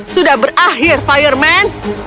sudah berakhir fireman